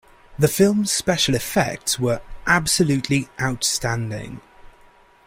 The film's special effects were absolutely outstanding.